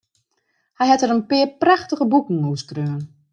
Hy hat dêr in pear prachtige boeken oer skreaun.